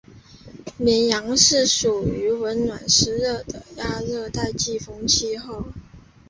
绵阳市属温暖湿润的亚热带季风气候。